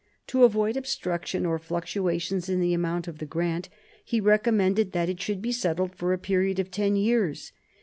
To avoid obstruction or fluctuations in the amount of the grant, he recommended that it should be settled for a period of ten years.